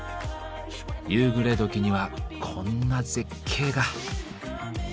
夕暮れ時にはこんな絶景が。